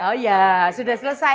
oh ya sudah selesai